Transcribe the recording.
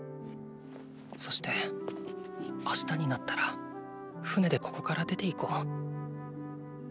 そして明日になったら船でここから出ていこう。